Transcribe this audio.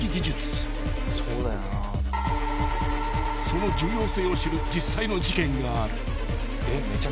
［その重要性を知る実際の事件がある］